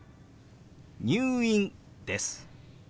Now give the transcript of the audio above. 「入院」です。